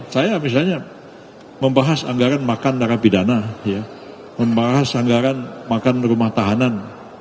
saya misalnya membahas anggaran makan narapidana membahas anggaran makan rumah tahanan